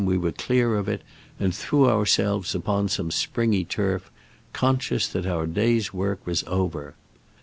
we were clear of it, and threw ourselves upon some springy turf, conscious that our day's work was over.